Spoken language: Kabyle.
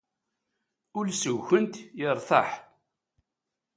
Ul seg-kent yertaḥ.